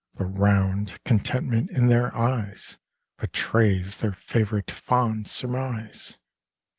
The round contentment in their eyes Betrays their favourite fond surmise.